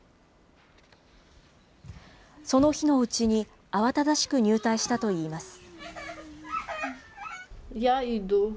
その日のうちに、慌ただしく入隊したといいます。